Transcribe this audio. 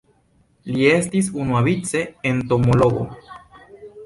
Li estis unuavice entomologo.